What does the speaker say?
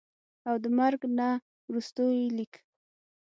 او دَمرګ نه وروستو ئې ليک